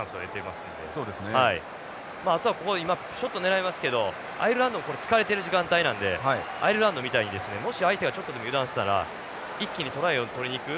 まああとは今ショット狙いますけどアイルランドもこれ疲れてる時間帯なんでアイルランドみたいにもし相手がちょっとでも油断したら一気にトライを取りに行く。